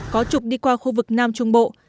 có trục đi qua khu vực nam trung bộ